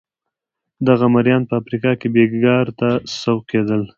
دغه مریان په افریقا کې بېګار ته سوق کېدل.